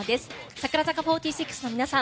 櫻坂４６の皆さん